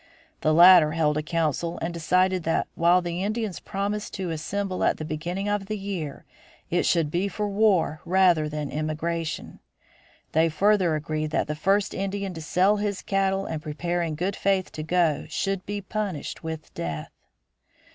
The latter held a council and decided that while the Indians promised to assemble at the beginning of the year it should be for war rather than emigration. They further agreed that the first Indian to sell his cattle and prepare in good faith to go should be punished with death.